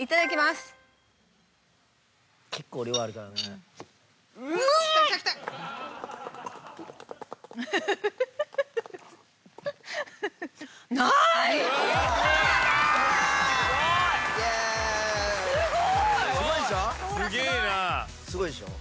すごいでしょ？